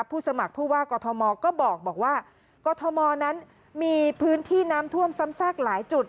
สมัครผู้ว่ากอทมก็บอกว่ากรทมนั้นมีพื้นที่น้ำท่วมซ้ำซากหลายจุด